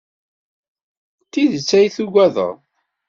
D tidet ay tuggaded?